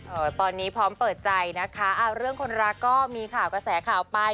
เอ่อตอนนี้พร้อมเปิดใจนะคะอ่าเรื่องคนรักก็มีข่าวกระแสข่าวไป